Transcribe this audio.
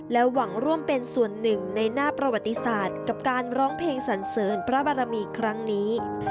หวังร่วมเป็นส่วนหนึ่งในหน้าประวัติศาสตร์กับการร้องเพลงสันเสริญพระบารมีครั้งนี้